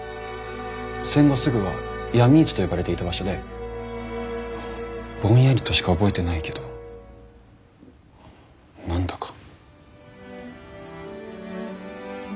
戦後すぐは闇市と呼ばれていた場所でぼんやりとしか覚えてないけど何だか。